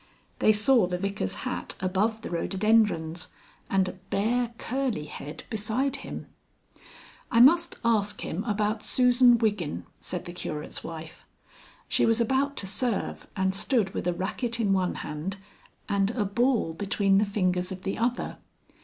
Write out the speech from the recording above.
They saw the Vicar's hat above the rhododendrons, and a bare curly head beside him. "I must ask him about Susan Wiggin," said the Curate's wife. She was about to serve, and stood with a racket in one hand and a ball between the fingers of the other.